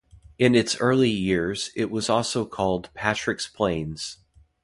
In its early years, it was also called Patrick's Plains.